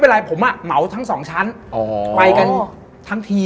เรากำลังจะนอนไหร่งี้